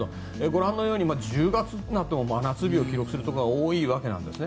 ご覧のように１０月になっても真夏日を記録するところが多いわけなんです。